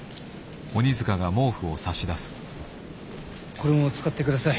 これも使ってください。